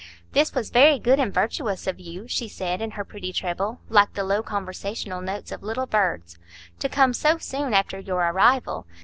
"This was very good and virtuous of you," she said, in her pretty treble, like the low conversational notes of little birds, "to come so soon after your arrival.